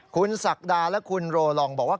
คุณศักดาและคุณโรลองบอกว่า